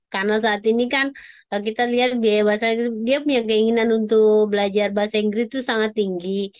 karena saat ini kan kita lihat biaya bahasa inggris dia punya keinginan untuk belajar bahasa inggris itu sangat tinggi